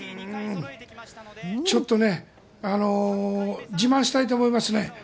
ちょっとね自慢したいと思いますね。